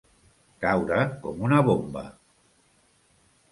Caure com una bomba.